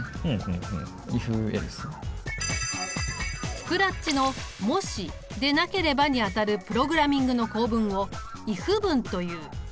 Ｓｃｒａｔｃｈの「もしでなければ」に当たるプログラミングの構文をｉｆ文という。